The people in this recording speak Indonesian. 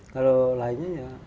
kalau lainnya ya